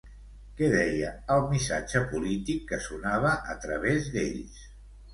Què deia el missatge polític que sonava a través d'ells?